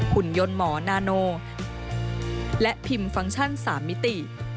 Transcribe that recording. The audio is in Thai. หุ่นยนต์หมอนาโนและพิมพ์ฟังก์ชั่น๓มิติ